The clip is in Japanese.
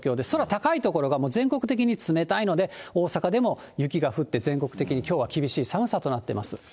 空高い所がもう全国的に冷たいので、大阪でも雪が降って、全国的にきょうは厳しい寒さとなっています。